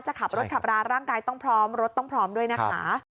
จะขับรถขับราร่างกายต้องพร้อมรถต้องพร้อมด้วยนะคะ